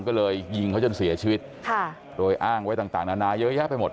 ก็เลยยิงเขาจนเสียชีวิตค่ะโดยอ้างไว้ต่างต่างนานาเยอะแยะไปหมด